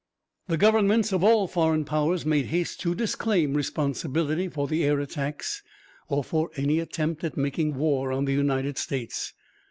The governments of all foreign powers made haste to disclaim responsibility for the air attacks or for any attempt at making war on the United States.